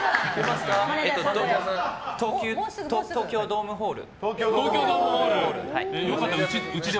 東京ドームホールで。